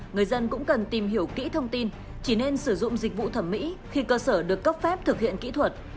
người dân cũng cần tìm hiểu kỹ thông tin chỉ nên sử dụng dịch vụ thẩm mỹ khi cơ sở được cấp phép thực hiện kỹ thuật